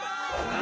あ？